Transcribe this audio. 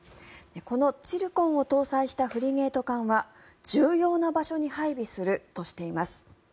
このツィルコンを搭載したフリゲート艦は重要な場所に配備するとしています。